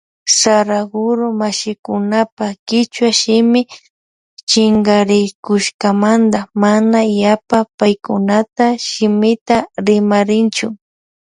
Saraguro mashikunapa kichwa shimi chinkarikushkamanta mana yapa paykunapa shimita rimarinchu.